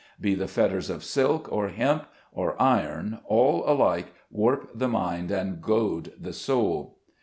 Be the fetters of silk, or hemp, or iron, all alike warp the mind and goad the soul.